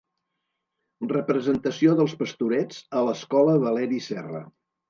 Representació dels pastorets a l'escola Valeri Serra.